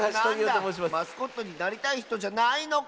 マスコットになりたいひとじゃないのか。